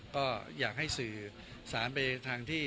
ก็อยากให้สื่อสารไปทางที่